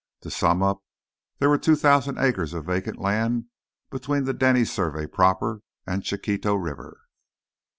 To sum up: there were two thousand acres of vacant land between the Denny survey proper and Chiquito River.